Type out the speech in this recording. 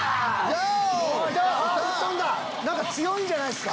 何か強いんじゃないですか？